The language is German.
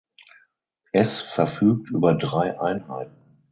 Es verfügt über drei Einheiten.